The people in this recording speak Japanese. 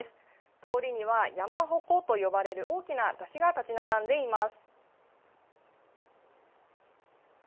通りには山鉾と呼ばれる大きな山車が立ち並んでいます。